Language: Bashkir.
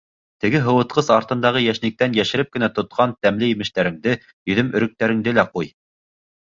Теге һыуытҡыс артындағы йәшниктән йәшереп кенә тотҡан тәмле емештәреңде, йөҙөм-өрөктәреңде лә ҡуй.